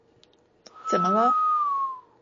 怎么了？